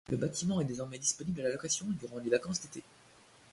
Le bâtiment est désormais disponible à la location durant les vacances d'été.